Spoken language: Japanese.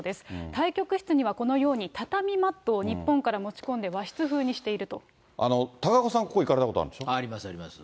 対局室にはこのように畳マットを日本から持ち込んで和室風にして高岡さん、あります、あります。